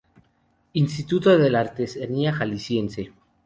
Instituto de la Artesanía Jalisciense